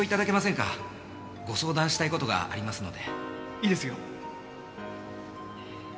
いいですよ。